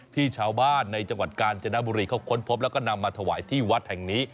ที่ชาวบ้านในจังหวัดกาญจนบุรีเขาค้นพบแล้วก็นำมาถวายที่วัดแห่งนี้